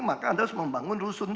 maka harus membangun rusun